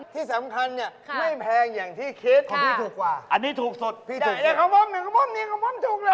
ที่สำคัญเนี่ยไม่แพงอย่างที่คิดของพี่ถูกกว่าได้เนี่ยคำภาพนี้คำภาพถูกเลย